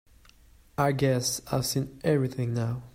I guess I've seen everything now.